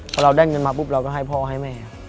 พอเราได้เงินมาปุ๊บเราก็ให้พ่อให้แม่